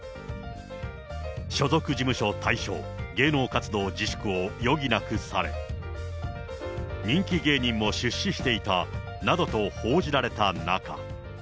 所属事務所退所、芸能活動自粛を余儀なくされ、人気芸人も出資していたなどと報じられた中。